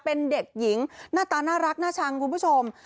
เป็นเด็กหญิงหน้าตาน่ารักน่าชังคุณผู้ชม